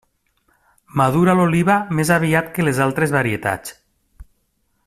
Madura l'oliva més aviat que les altres varietats.